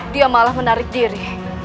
dia malah menarik diri